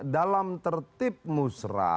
dalam tertib musra